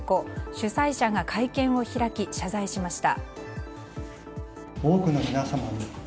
主催者が会見を開き謝罪しました。